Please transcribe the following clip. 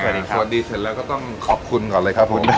สวัสดีเสร็จแล้วก็ต้องขอบคุณก่อนเลยครับผม